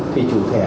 thì chủ thẻ